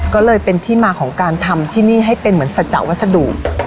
ก็เลยเป็นที่มาของการทำที่นี่ให้เป็นเหมือนสัจจะวัสดุ